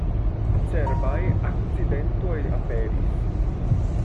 Cerbaj akcidentoj aperis.